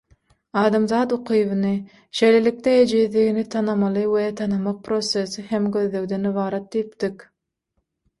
Adamzat ukybyny, şeýlelikde ejizligini tanamaly we tanamak prosesi hem gözlegden ybarat diýipdik.